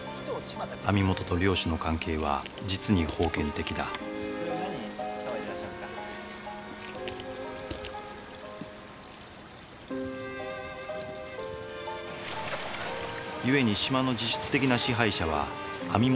網元と漁師の関係は実に封建的だ故に島の実質的な支配者は網元の鬼頭家である。